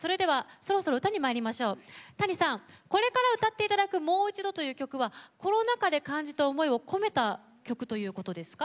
Ｔａｎｉさんこれから歌っていただく「もう一度」という曲はコロナ禍で感じた思いを込めた曲ということですか？